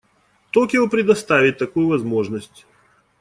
Токио предоставит такую возможность.